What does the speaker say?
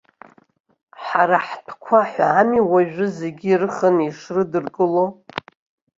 Ҳара ҳтәқәа ҳәа ами уажәы зегьы ирыханы ишрыдыркыло.